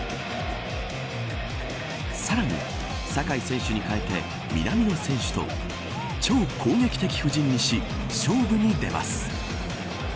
さらに酒井選手に代えて南野選手と超攻撃的布陣にし勝負に出ます。